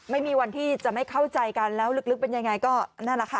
ไม่มีวันที่จะไม่เข้าใจกันแล้วลึกเป็นยังไงก็นั่นแหละค่ะ